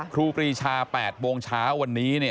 ครูปรีชา๘โมงเช้าวันนี้